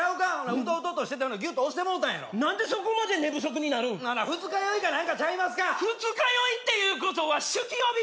ウトウトとしててギュッと押してもうたんやろ何でそこまで寝不足になるん二日酔いか何かちゃいますか二日酔いっていうことは酒気帯び！？